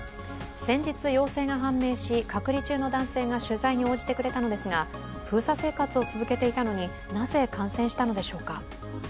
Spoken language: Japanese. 先日陽性が判明し、隔離中の男性が取材に応じてくれたのですが封鎖生活を続けていたのに、なぜ、感染したのでしょうか？